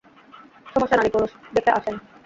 সমস্যা নারী-পুরুষ দেখে আসে না।